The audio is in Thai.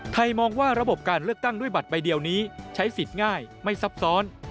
มองว่าระบบการเลือกตั้งด้วยบัตรใบเดียวนี้ใช้สิทธิ์ง่ายไม่ซับซ้อน